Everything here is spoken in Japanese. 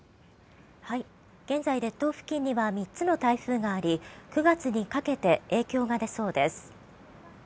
現在、列島付近には３つの台風があり９月にかけて影響が出そうです。